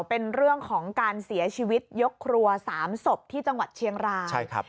เป็นเรื่องของการเสียชีวิตยกครัว๓ศพที่จังหวัดเชียงราย